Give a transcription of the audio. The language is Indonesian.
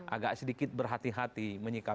agak sedikit berhati hati menyikapi kok